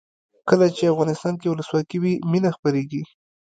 کله چې افغانستان کې ولسواکي وي مینه خپریږي.